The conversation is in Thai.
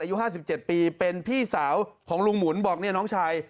อายุ๕๗ปีเป็นพี่สาวของลุงหมุนบอกเนี่ยน้องชาย